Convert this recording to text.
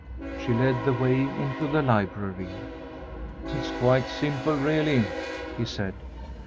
She led the way into the library. "It's quite simple really," he said.